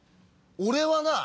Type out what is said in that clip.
俺はな